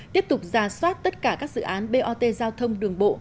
tiếp tục giả soát tất cả các dự án bot giao thông đường bộ